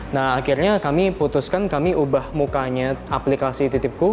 nah akhirnya kami putuskan kami ubah mukanya aplikasi titipku